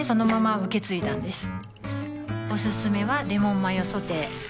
おすすめはレモンマヨソテー